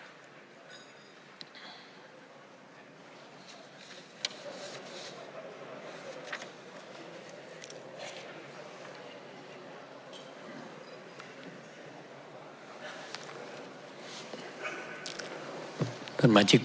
สมาชิกครรมนี่แต่กลางแรกนะครับ